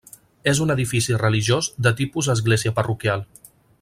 És un edifici religiós de tipus església parroquial.